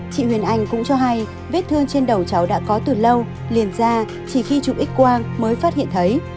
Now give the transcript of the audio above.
chị huyền anh cũng cho hay vết thương trên đầu cháu đã có từ lâu liền ra chỉ khi chụp x quang mới phát hiện thấy